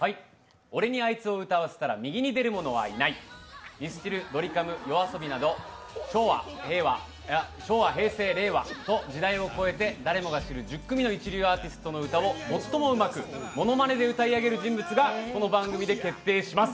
「俺にアイツを歌わせたら右に出るものはいない」、ミスチル、ドリカム、ＹＯＡＳＯＢＩなど昭和・平成・令和と時代を超えて、誰もが知る一流アーティストの歌を最もうまくものまねで歌い上げる人物がこの番組で決定します。